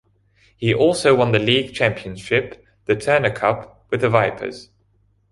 He also won the league championship, the Turner Cup, with the Vipers.